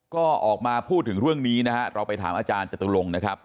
ก็ออกมาพูดถึงเรื่องนี้นะฮะเราไปถามอาจารย์จตุลงนะครับ